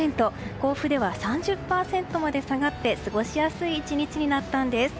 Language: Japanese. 甲府では３０％まで下がって過ごしやすい１日になったんです。